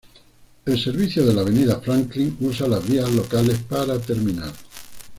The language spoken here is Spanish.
El servicio de la Avenida Franklin usa las vías locales para terminar.